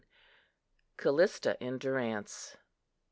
CALLISTA IN DURANCE.